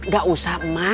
gak usah ma